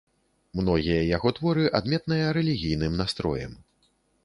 Многія яго творы адметныя рэлігійным настроем.